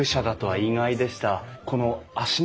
はい。